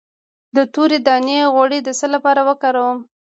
د تورې دانې غوړي د څه لپاره وکاروم؟